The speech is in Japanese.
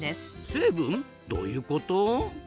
成分？どういうこと？